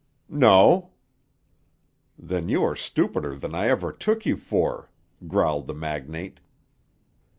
"No." "Then you are stupider than I ever took you for," growled the magnate.